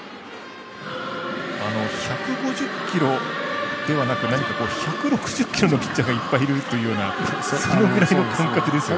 １５０キロではなく１６０キロのピッチャーがいっぱいいるというようなそういう感覚ですよね。